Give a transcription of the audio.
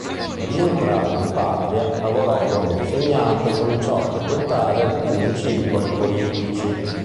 Rientrato in patria, lavorò come insegnante e cominciò a frequentare alcuni circoli politici.